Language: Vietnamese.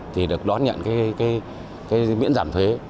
thì được đón nhận miễn giảm thuế